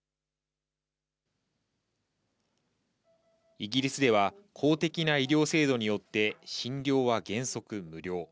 イギリスでは、公的な医療制度によって診療は原則無料。